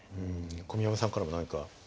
小宮山さんからも何か。